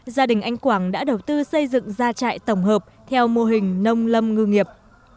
gia đình anh quảng đã đầu tư xây dựng gia trại tổng hợp theo mô hình nông lâm ngư nghiệp